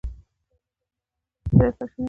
سیلاني ځایونه د افغانانو د معیشت یوه سرچینه ده.